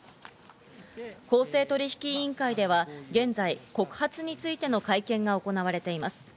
公正取引委員会では現在、告発についての会見が行われています。